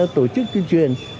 tổ chức tuyên truyền